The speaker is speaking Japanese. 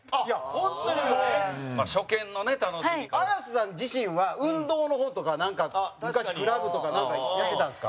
蛍原：綾瀬さん自身は運動の方とかはなんか、昔、クラブとかなんか、やってたんですか？